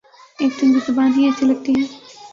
ایک تو ان کی زبان ہی ایسی لگتی ہے۔